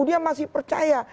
dia masih percaya